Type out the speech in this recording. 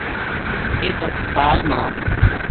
اِت ہسپتال ما